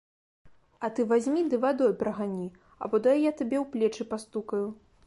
А ты вазьмі ды вадой прагані, або дай я табе ў плечы пастукаю.